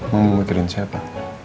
mau mikirin siapa